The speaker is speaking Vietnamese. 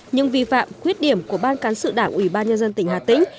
nhưng vi phạm khuyết điểm của ban cán sự đảng ủy ban nhân dân tỉnh hà tĩnh